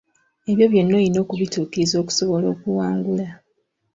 Ebyo byonna olina okubituukiriza okusobola okuwangula.